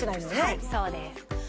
はいそうです